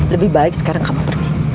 lebih baik sekarang kamu pergi